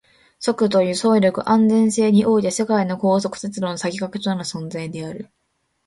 速度、輸送力、安全性において世界の高速鉄道の先駆けとなる存在である